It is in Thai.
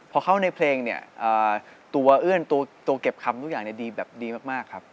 พอเข้าในเพลงเนี่ยตัวเอื้อนตัวเก็บคำทุกอย่างดีแบบดีมากครับ